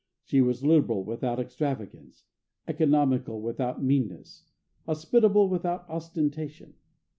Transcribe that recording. She was liberal without extravagance, economical without meanness, hospitable without ostentation.